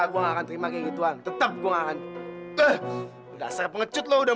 aku nggak akan terima kayak gitu an tetap gua ngangin eh udah serap ngecut lo udah